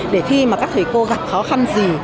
để khi mà các thầy cô gặp khó khăn gì